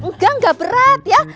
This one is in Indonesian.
enggak enggak berat ya